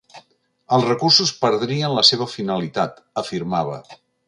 “Els recursos perdrien la seva finalitat”, afirmava.